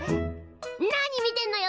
なに見てんのよ！